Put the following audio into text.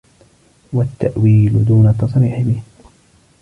وَالتَّأْوِيلِ دُونَ التَّصْرِيحِ بِهِ